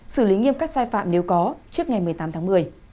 xử lý nghiêm các sai phạm nếu có trước ngày một mươi tám tháng một mươi